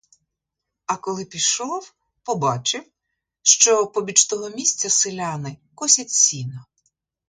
А коли пішов, побачив, що побіч того місця селяни косять сіно.